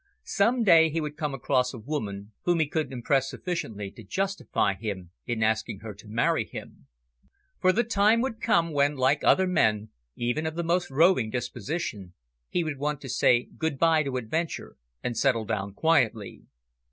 Some day he would come across a woman whom he could impress sufficiently to justify him in asking her to marry him. For the time would come when, like other men, even of the most roving disposition, he would want to say good bye to adventure and settle down quietly.